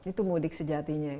itu mudik sejatinya ya